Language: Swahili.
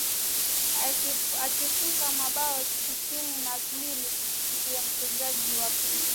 Akifunga mabao sitini na mbili na ndiye mchezaji wa pili